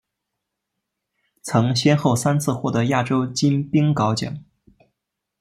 曾先后三次获得亚洲金冰镐奖。